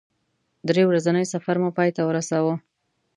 درې ورځنی سفر مو پای ته ورساوه.